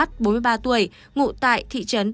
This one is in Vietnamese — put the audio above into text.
bốn mươi ba tuổi ngụ tại thị trấn